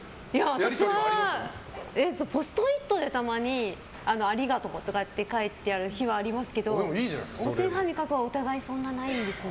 私はポストイットでたまにありがとうとか書いてる日はありますけどお手紙書くはお互いにないですね。